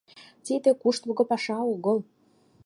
Тиде куштылго паша огыл.